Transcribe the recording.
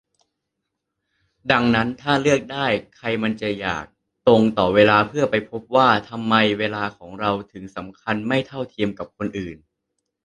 ดังนั้น ถ้าเลือกได้ ใครมันจะอยากตรงต่อเวลาเพื่อไปพบว่า ทำไมเวลาของเราถึงสำคัญไม่เท่าเทียมกับคนอื่น